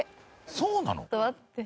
そうなの？